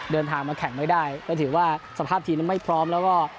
เดินทางมาแข่งไม่ได้ก็ถือว่าสภาพทีมนั้นไม่พร้อมแล้วก็